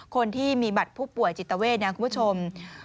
คนที่มีบัตรผู้ป่วยจิตเวทนะคุณผู้ชม